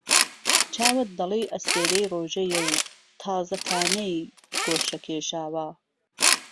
چاوت دهلێی ئەستیرهی ڕۆژێیه و تازهکانەی گۆشه کێشاوه